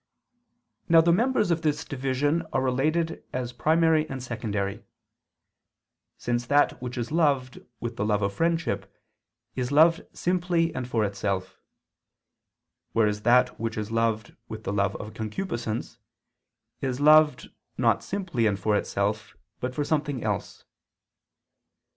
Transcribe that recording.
Now the members of this division are related as primary and secondary: since that which is loved with the love of friendship is loved simply and for itself; whereas that which is loved with the love of concupiscence, is loved, not simply and for itself, but for something else.